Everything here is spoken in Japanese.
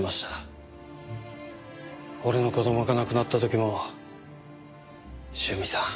俺の子供が亡くなった時も塩見さん